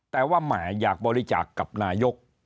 แต่ว่าแหมอยากบริจาคกับนายก